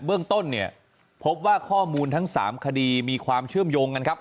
เบื้องต้นเนี่ยพบว่าข้อมูลทั้ง๓คดีมีความเชื่อมโยงกันครับ